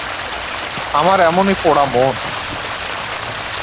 আমার এমনি পোড়া মন?